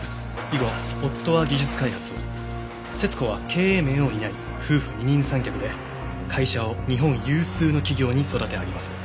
以後夫は技術開発を節子は経営面を担い夫婦二人三脚で会社を日本有数の企業に育て上げます。